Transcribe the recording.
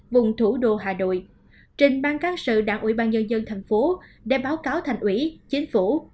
vùng thủ đô hà nội trình bang cán sự đảng ủy ban nhân dân thành phố để báo cáo thành ủy chính phủ